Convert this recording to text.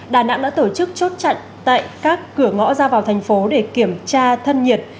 đà nẵng đã tổ chức chốt chặn tại các cửa ngõ ra vào thành phố để kiểm tra thân nhiệt